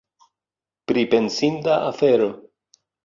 Pripensinda afero!